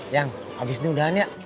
yang abis ini udahannya